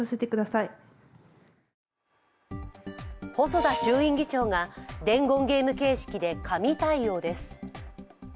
細田衆院議長が伝言ゲーム形式で紙対応です。